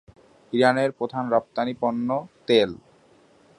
ইরানের প্রধান রপ্তানিপণ্য তেল।